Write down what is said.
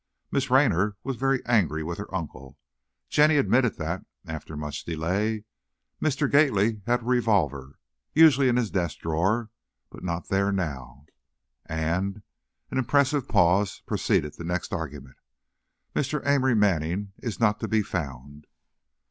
Miss Raynor was very angry with her uncle, Jenny admitted that, after much delay. Mr. Gately had a revolver, usually in his desk drawer, but not there now. And," an impressive pause preceded the next argument, "Mr. Amory Manning is not to be found."